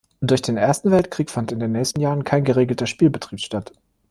Durch den Ersten Weltkrieg fand in den nächsten Jahren kein geregelter Spielbetrieb statt.